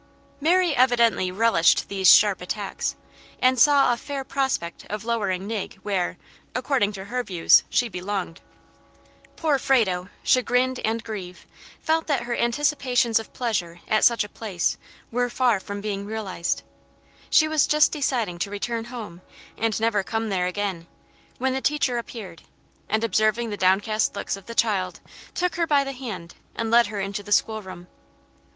Mary evidently relished these sharp attacks, and saw a fair prospect of lowering Nig where, according to her views, she belonged. Poor Frado, chagrined and grieved, felt that her anticipations of pleasure at such a place were far from being realized. She was just deciding to return home, and never come there again, when the teacher appeared, and observing the downcast looks of the child, took her by the hand, and led her into the school room.